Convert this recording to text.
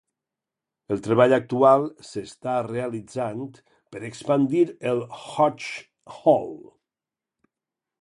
El treball actual s'està realitzant per expandir el Hodge Hall.